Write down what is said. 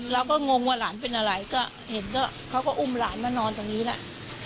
งงว่าหลานเป็นอะไรก็เห็นก็เขาก็อุ้มหลานมานอนตรงนี้แหละ